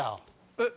えっ？